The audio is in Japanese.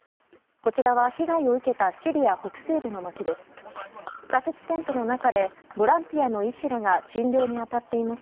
こちらは被害を受けたシリア北西部の街です。